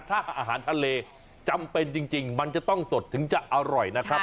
ถ้าอาหารทะเลจำเป็นจริงมันจะต้องสดถึงจะอร่อยนะครับ